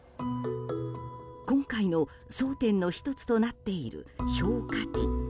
今回の争点の１つとなっている評価点。